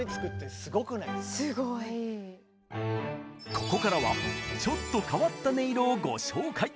ここからはちょっと変わった音色をご紹介。